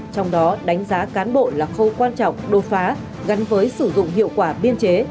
trong đó đánh giá cán bộ là khâu quan trọng đột phá gắn với sử dụng hiệu quả biên chế